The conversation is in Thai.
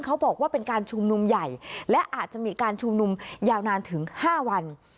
เขาบอกว่าเป็นการชุมนุมใหญ่และอาจจะมีการชุมนุมยาวนานถึง๕วัน